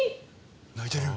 泣いてるよ。